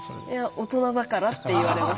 「大人だから」って言われました。